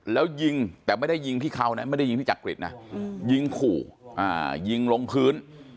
แล้วยิงแต่ไม่ได้ยิงที่เขานะไม่ได้ยิงที่จักริตนะยิงขู่ยิงลงพื้น